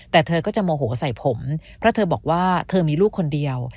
แต่เธอก็จะโมโหใส่ผมเพราะเธอบอกว่าเธอมีลูกคนเดียว